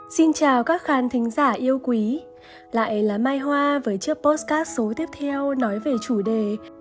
xin chào các khán thính giả yêu quý lại là mai hoa với chiếc post cart số tiếp theo nói về chủ đề